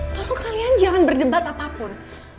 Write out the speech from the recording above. lalu kalian jangan berdebat apapun